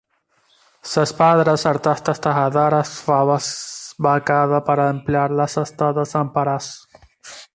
Su padre, artista tejedor, fue becado para ampliar sus estudios en París.